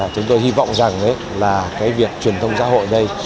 chúng tôi hy vọng rằng việc truyền thông xã hội đây